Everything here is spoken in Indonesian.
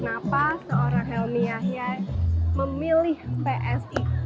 kenapa seorang helmi yahya memilih psi